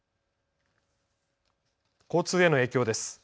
交通への影響です。